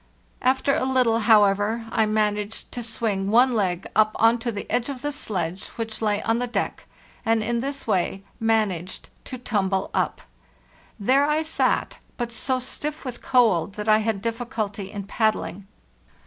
After a little, however, I managed to swing one leg up on to the edge of the sledge which lay on the deck, and in this way managed to tumble up. There I sat, but so stiff with cold that I had difficulty in paddling.